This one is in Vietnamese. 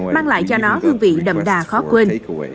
mang lại cho nó hương vị đậm đà khó quên